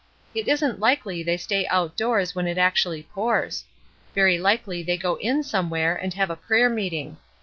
It isn't likely they stay out doors when it actually pours. Very likely they go in somewhere and have a prayer meeting.